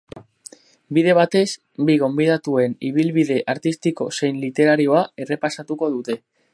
Bide batez, bi gonbidatuen ibilbide artistiko zein literarioa errepasatuko dute.